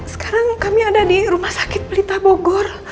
sekarang kami ada di rumah sakit pelita bogor